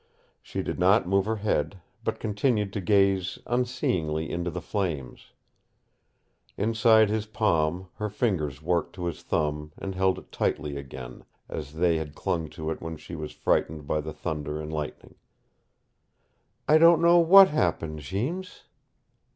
She did not move her head, but continued to gaze unseeingly into the flames. Inside his palm her fingers worked to his thumb and held it tightly again, as they had clung to it when she was frightened by the thunder and lightning. "I don't know what happened, Jeems."